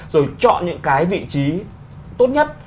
rồi chọn những cái vị trí tốt nhất